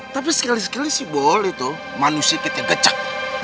tapi sekali sekali sih bol itu manusia kita gecek